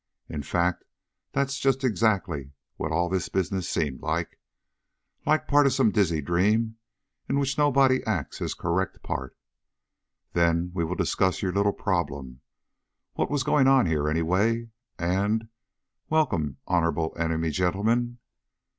In fact, that's just exactly what all this business seemed like. Like part of some dizzy dream in which nobody acts his correct part. "Then we will discuss your little problem." What was going on here, anyway? And, "Welcome, Honorable Enemy Gentlemen!"